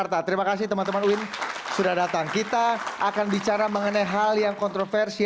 tapi akhirnya sampai saya mengisi vec promised